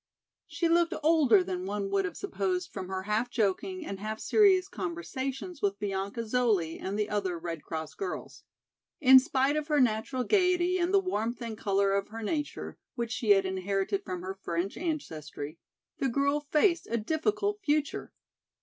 She looked older than one would have supposed from her half joking and half serious conversations with Bianca Zoli and the other Red Cross girls. In spite of her natural gayety and the warmth and color of her nature, which she had inherited from her French ancestry, the girl faced a difficult future.